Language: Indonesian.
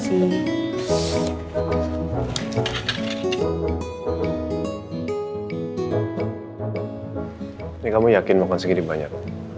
ini kamu yakin makan segini banyak